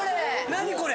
何これ！